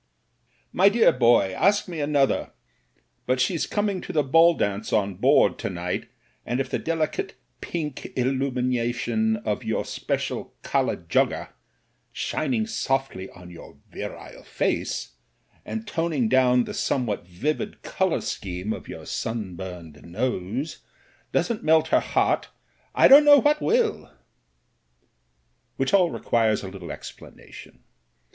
"My dear boy, ask me another. But she's coming to the ball dance on board to night, and if the delicate pink illumination of your special kala jugger, shining softly on your virile face, and toning down the s<Mne what vivid colour scheme of your sunburned nose, doesn't melt her heart, I don't know what will " Which all requires a little explanation.